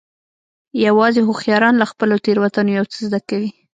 یوازې هوښیاران له خپلو تېروتنو یو څه زده کوي.